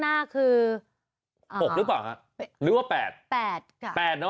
หน้าคือ๖หรือเปล่าหรือว่า๘